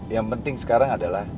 yang penting sekarang adalah